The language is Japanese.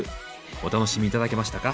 お楽しみ頂けましたか？